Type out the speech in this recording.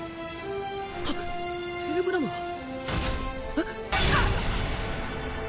はっヘルブラムは？えっ？